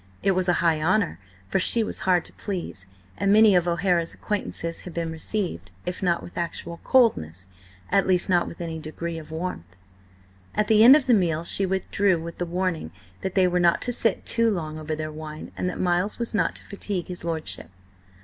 It was a high honour, for she was hard to please, and many of O'Hara's acquaintances had been received, if not with actual coldness, at least not with any degree of warmth. At the end of the meal she withdrew with the warning that they were not to sit too long over their wine, and that Miles was not to fatigue his lordship.